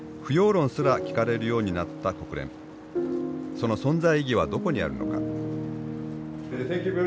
その存在意義はどこにあるのか。